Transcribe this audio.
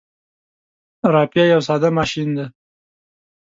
رافعه یو ساده ماشین دی.